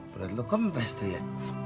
berat lu kempes tuh ya